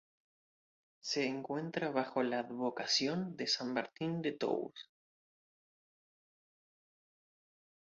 Se encuentra bajo la advocación de San Martín de Tours.